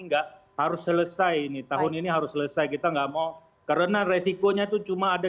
enggak harus selesai ini tahun ini harus selesai kita nggak mau karena resikonya itu cuma ada